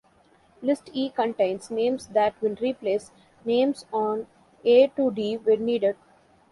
List E contains names that will replace names on A-D when needed.